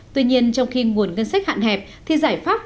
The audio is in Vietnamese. tuy nhiên trong khi nguồn ngân sách hạn hẹp thì giải pháp